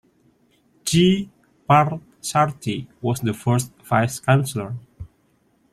G. Parthsarthi was the first vice-chancellor.